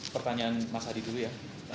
pertanyaan mas hadi dulu ya